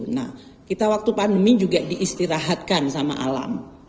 nah kita waktu pandemi juga diistirahatkan sama alam